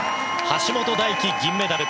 橋本大輝、銀メダル。